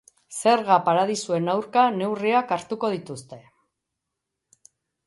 Zerga-paradisuen aurka neurriak hartuko dituzte.